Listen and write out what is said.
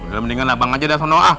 ya mendingan abang aja deh sonoa